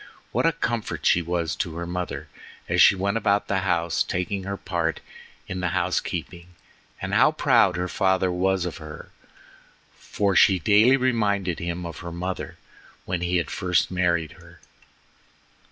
What a comfort she was to her mother as she went about the house taking her part in the housekeeping, and how proud her father was of her, for she daily reminded him of her mother when he had first married her.